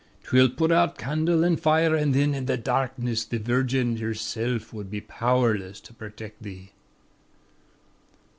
'Twill put out candle an' fire, an' thin in the darkness the Virgin Herself would be powerless to protect ye.'